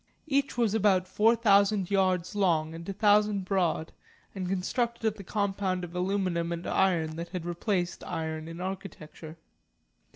Each was about four thousand yards long and a thousand broad, and constructed of the compound of aluminum and iron that had replaced iron in architecture.